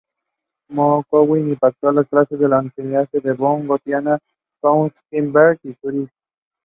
The ceremony concluded with the playing of "America".